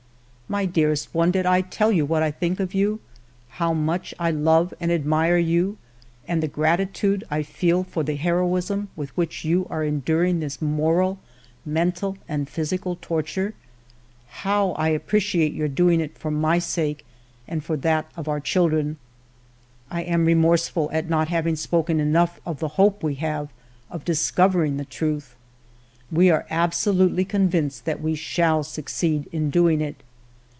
My dearest one, did I tell you what I think of you, how much 1 love and admire you, and the grati tude I feel for the heroism with which you are enduring this moral, mental, and physical torture ? How I appreciate your doing it for my sake and that of our children ! I am remorseful at not having spoken enough of the hope we have of discovering the truth ; we are absolutely convinced that we shall succeed in doing it.